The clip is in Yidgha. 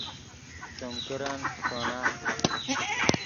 سیم کرن فݰٹونا